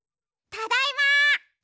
ただいま！